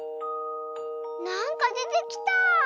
なんかでてきた！